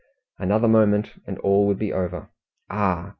Another moment, and all would be over. Ah!